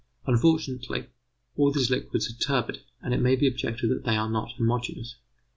Unfortunately, all these liquids are turbid, and it may be objected that they are not homogeneous.